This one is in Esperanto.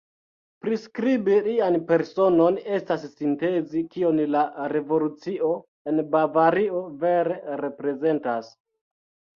Priskribi lian personon estas sintezi kion la revolucio en Bavario vere reprezentas.